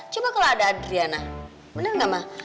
coba kalau ada adriana